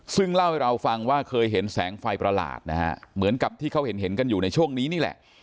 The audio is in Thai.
ซึ่งเล่าให้เราฟังว่าเคยเห็นแสงไฟประหลาดนะฮะเหมือนกับที่เขาเห็นกันอยู่ในช่วงนี้นี่แหละ